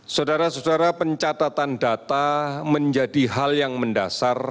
saudara saudara pencatatan data menjadi hal yang mendasar